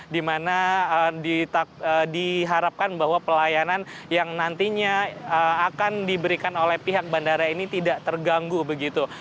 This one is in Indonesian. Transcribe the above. dimana diharapkan bahwa pelayanan yang nantinya akan diberikan oleh pihak bandara ini tidak terganggu begitu